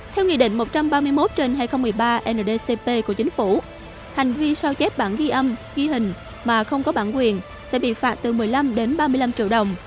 theo nghị định một trăm ba mươi một trên hai nghìn một mươi ba ndcp của chính phủ hành vi sao chép bản ghi âm ghi hình mà không có bản quyền sẽ bị phạt từ một mươi năm đến ba mươi năm triệu đồng